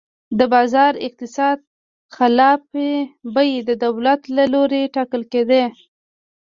د بازار اقتصاد خلاف بیې د دولت له لوري ټاکل کېدې.